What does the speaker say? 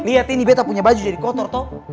lihat ini betta punya baju jadi kotor toh